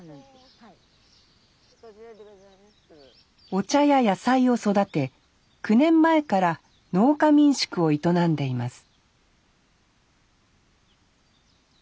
お茶や野菜を育て９年前から農家民宿を営んでいます